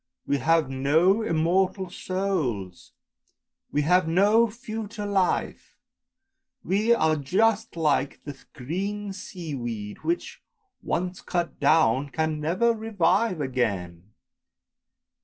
We have no immortal souls, we have no future life, we are just like the green sea weed, which, once cut down, can never revive again!